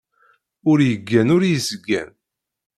Ur yeggan, ur yesgan.